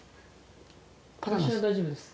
私は大丈夫です